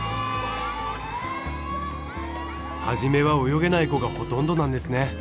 初めは泳げない子がほとんどなんですね。